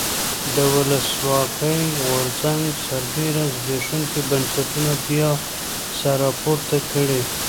د ولسواکۍ غورځنګ سربېره زبېښونکي بنسټونه بیا سر راپورته کړي.